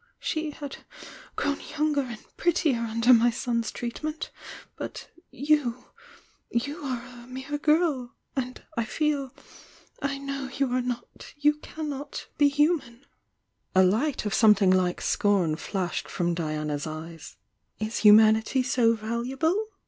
She had grown younger and prettier under my son's treatment— but you'— you are a mere girl!— and I feel— I know you are not you cannot be human !"* A light of something like scorn flashed from Di ana s eyes. "Is humanity so valuable!"